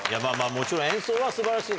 もちろん演奏は素晴らしい。